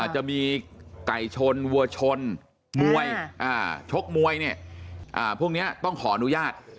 จะมีไก่ชนวัวชนมวยชกมวยเนี่ยพวกนี้ต้องขออนุญาต